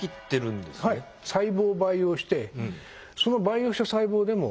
細胞を培養してその培養した細胞でも。